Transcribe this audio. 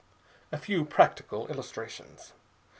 "A few practical illustrations.